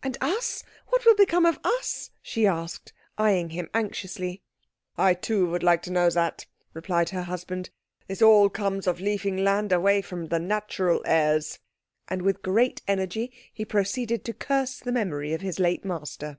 "And us? What will become of us?" she asked, eying him anxiously. "I too would like to know that," replied her husband. "This all comes of leaving land away from the natural heirs." And with great energy he proceeded to curse the memory of his late master.